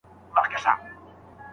مزاجي توپیرونه د کار خنډ ګرځېدای سي.